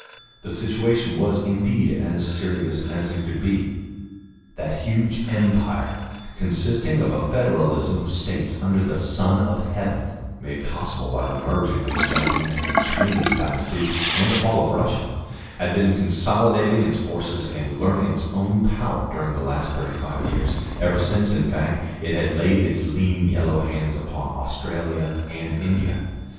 The situation was indeed as serious as it could be. That huge Empire, consisting of a federalism of States under the Son of Heaven (made possible by the merging of the Japanese and Chinese dynasties and the fall of Russia), had been consolidating its forces and learning its own power during the last thirty five years, ever since, in fact, it had laid its lean yellow hands upon Australia and India.